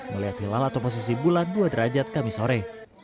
melihat hilal atau posisi bulan dua derajat kami sore